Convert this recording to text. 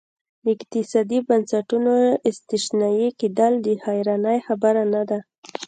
د اقتصادي بنسټونو استثنایي کېدل د حیرانۍ خبره نه وه.